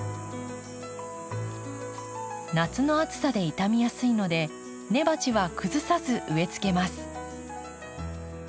夏の暑さで傷みやすいので根鉢は崩さず植えつけます。